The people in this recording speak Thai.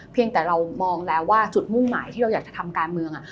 เพียงแต่เรามองแล้วว่าจุดมุ่งหมายที่เราอยากจะทำการเมือง